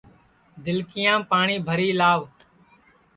دِلکِیام پاٹؔی بھری لاو